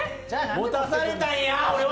持たされたんや、俺は！